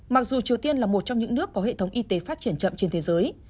mặc dù triều tiên là một trong những nước có hệ thống y tế phát triển chậm trên thế giới